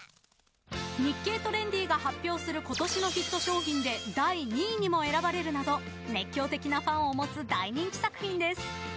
「日経トレンディ」が発表する今年のヒット商品で第２位にも選ばれるなど熱狂的なファンを持つ大人気作品です。